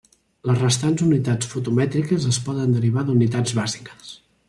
Les restants unitats fotomètriques es poden derivar d'unitats bàsiques.